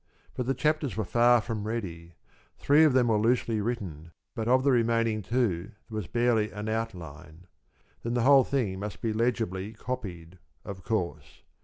But the chapters were far from ready. Three of them were loosely written, but of the remaining two there was barely an outline. Then the whole thing must be legibly copied, of course.